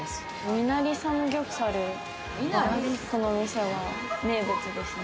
ミナリサムギョプサルがこのお店は名物ですね。